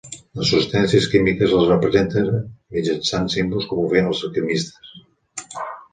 Les substàncies químiques les representa mitjançant símbols com ho feien els alquimistes.